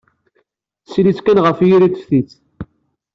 Sillet kan ɣef yiri n teftist.